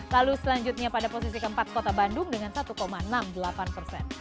lalu selanjutnya pada posisi keempat kota bandung dengan satu enam puluh delapan persen